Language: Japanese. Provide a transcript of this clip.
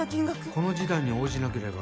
この示談に応じなければ